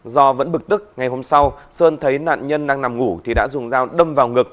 do vẫn bực tức ngày hôm sau sơn thấy nạn nhân đang nằm ngủ thì đã dùng dao đâm vào ngực